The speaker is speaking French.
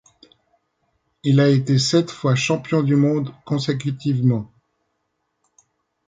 Il a été sept fois champion du monde consécutivement.